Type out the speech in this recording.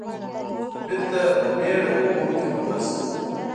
بېرته په بېړه اوبو کې غوټه شوم.